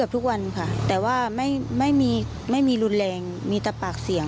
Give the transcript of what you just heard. แบบทุกวันค่ะเเตอร์ว่าไม่มีรุนแรงมีจ๊ะปากเสียง